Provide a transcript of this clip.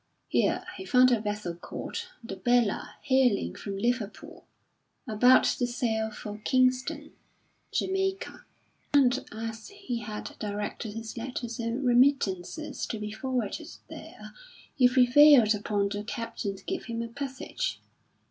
Here, he found a vessel called the Bella hailing from Liverpool, about to sail for Kingston, Jamaica, and as he had directed his letters and remittances to be forwarded there, he prevailed upon the captain to give him a passage.